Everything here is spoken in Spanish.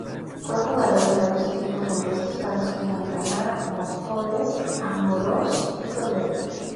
Fue jugador en varios equipos modestos, tales como Alcalá, Móstoles, Amorós y Toledo.